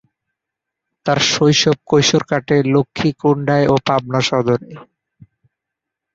তার শৈশব-কৈশোর কাটে লক্ষ্মীকুন্ডায় ও পাবনা সদরে।